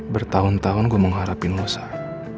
bertahun tahun gue mengharapin lo sar